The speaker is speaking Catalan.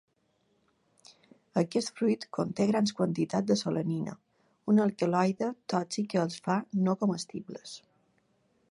Aquest fruit conté grans quantitats de solanina, un alcaloide tòxic que els fa no comestibles.